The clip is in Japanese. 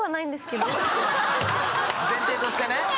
前提としてね。